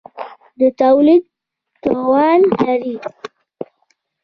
د تولید توان لري.